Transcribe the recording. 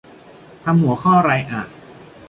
ทำหัวข้อไรอ่ะ